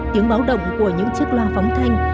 tiếng báo động của những chiếc loa phóng thanh